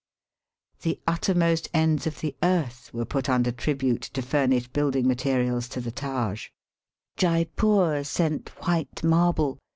The uttermost ends of the earth were put under tribute to furnish building materials to the Taj. Jeypor sent white marble.